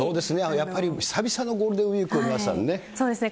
やっぱり久々のゴールデンウィーク、皆さんね。